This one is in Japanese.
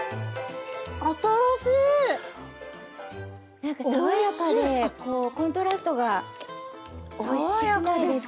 なんか爽やかでこうコントラストがおいしくないですか？